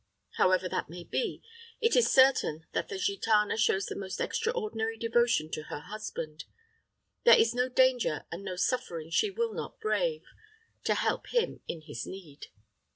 However that may be, it is certain that the gitana shows the most extraordinary devotion to her husband. There is no danger and no suffering she will not brave, to help him in his need.